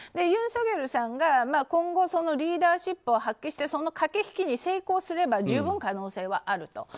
ユン・ソギョルさんが今後リーダーシップを発揮してその駆け引きに成功すれば十分可能性はあると。